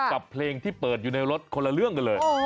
กับเพลงที่เปิดอยู่ในรถคนละเรื่องกันเลย